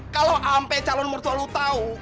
kalau ampe calon mertua lu tau